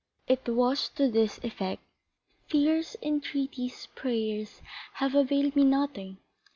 It was to this effect: "Tears, entreaties, prayers, have availed me nothing.